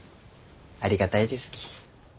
ありがたいですき。